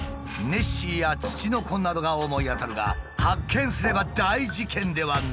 ネッシーやツチノコなどが思い当たるが発見すれば大事件ではないか！